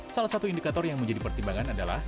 salah satu indikator yang menjadi pertimbangan adalah